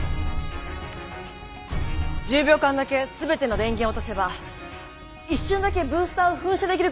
１０秒間だけ全ての電源を落とせば一瞬だけブースターを噴射できるかもしれません。